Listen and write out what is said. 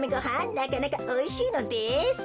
なかなかおいしいのです。